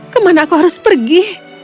kemana aku harus pergi